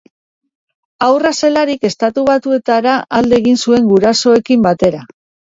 Haurra zelarik Estatu Batuetara alde egin zuen gurasoekin batera.